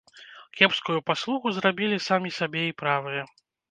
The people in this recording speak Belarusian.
Кепскую паслугу зрабілі самі сабе і правыя.